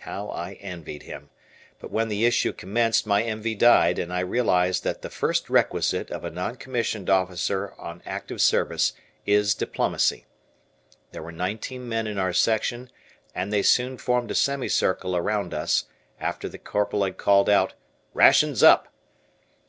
How I envied him. But when the issue commenced my envy died, and I realized that the first requisite of a non commissioned officer on active service is diplomacy. There were nineteen men in our section, and they soon formed a semi circle around us after the Corporal had called out, "Rations up."